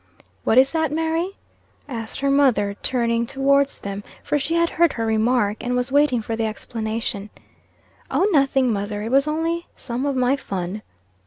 "What is that, Mary?" asked her mother, turning towards them, for she had heard her remark, and was waiting for the explanation. "Oh, nothing, mother, it was only some of my fun."